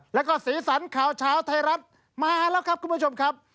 แล้วก็สีสันข่าวเช้าไทยรัฐมาแล้วครับคุณผู้ชมครับ